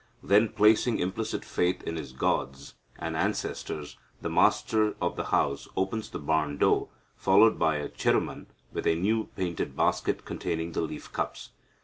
Then, placing implicit faith in his gods and ancestors, the master of the house opens the barn door, followed by a Cheruman with a new painted basket containing the leaf cups.